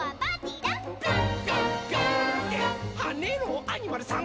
「はねろアニマルさん！」